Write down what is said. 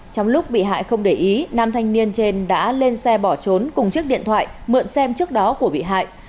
trong lúc bị hại không để ý nam thanh niên trên đã lên xe bỏ trốn cùng chiếc điện thoại mượn xem trước đó của bị hại